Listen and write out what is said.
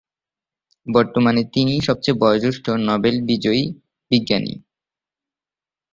বর্তমানে তিনিই সবচেয়ে বয়োজ্যেষ্ঠ নোবেল বিজয়ী বিজ্ঞানী।